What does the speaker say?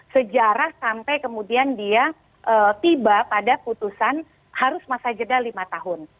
sejarah sampai kemudian dia tiba pada putusan harus masa jeda lima tahun